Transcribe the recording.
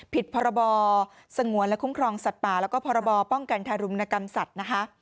ผิดพรบสงวนและคุ้มครองสัตว์ป่าและพรบป้องกันทารุมนกรรมสัตว์